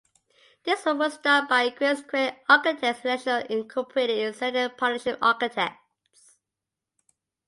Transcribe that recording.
This work was done by Queen's Quay Architects International Incorporated with Zeidler Partnership Architects.